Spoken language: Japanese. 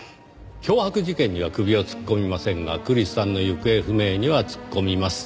脅迫事件には首を突っ込みませんがクリスさんの行方不明には突っ込みます。